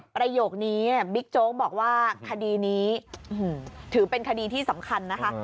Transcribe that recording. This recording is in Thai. ประโยคนี้บิ๊กโจ๊กบอกว่าคดีนี้ถือเป็นคดีที่สำคัญนะคะ